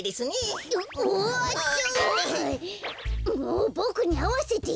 もうボクにあわせてよ。